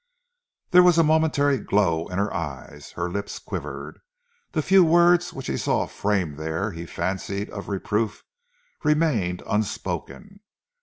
There was a momentary glow in her eyes. Her lips quivered. The few words which he saw framed there he fancied of reproof remained unspoken.